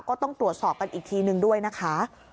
ก็ต้องตรวจสอบกันอีกทีนึงด้วยนะคะ